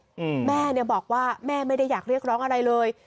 อืมแม่เนี้ยบอกว่าแม่ไม่ได้อยากเรียกร้องอะไรเลย